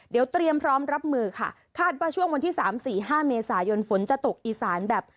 เดี๋ยวเตรียมพร้อมรับมือค่ะคาดว่าช่วงวันที่สามสี่ห้าเมษายนฝนจะตกอีสานแบบ